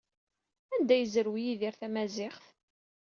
Anda ay yezrew Yidir tamaziɣt?